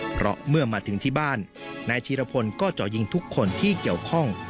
เพราะเมื่อมาถึงที่บ้านนายธีรพลก็เจาะยิงทุกคนที่เกี่ยวข้อง